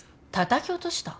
たたき落とした？